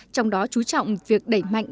trong đó chú trọng việc đẩy mạnh